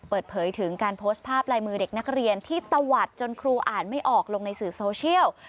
เปิดเผยถึงการโพสต์ภาพลายมือเด็กนักเรียนที่ตะวัดจนครูอ่านไม่ออกลงในสื่อโซเชียล